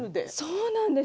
そうなんです